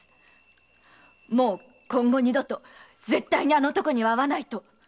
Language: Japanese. もう今後二度と絶対にあの男には会わないと。